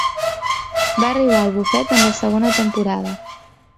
Va arribar al bufet en la segona temporada.